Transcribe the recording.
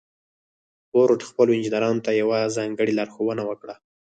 فورډ خپلو انجنيرانو ته يوه ځانګړې لارښوونه وکړه.